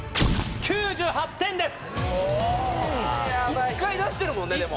１回出してるもんねでも。